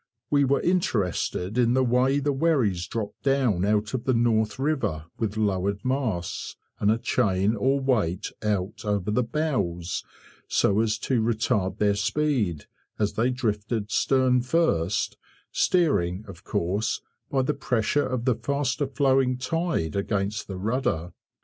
We were interested in the way the wherries dropped down out of the North River, with lowered masts, and a chain or weight out over the bows, so as to retard their speed, as they drifted stern first, steering, of course, by the pressure of the faster flowing tide against the rudder.